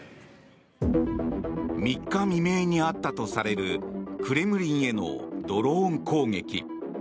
３日未明にあったとされるクレムリンへのドローン攻撃。